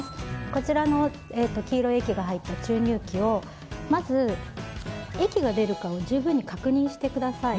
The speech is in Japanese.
こちらの黄色い液が入った注入器をまず、液が出るかを十分に確認してください。